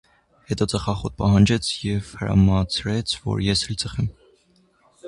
Հետո ծխախոտ պահանջեց և հրամցրեց, որ ես էլ ծխեմ: